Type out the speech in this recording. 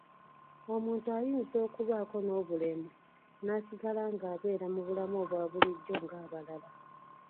Omuntu ayinza okubaako n'obulemu n'asigala ng'abeera mu bulamu obwa bulijjo ng'abalala.